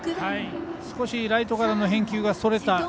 少しライトからの返球がそれた。